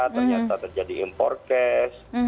ternyata terjadi impor kes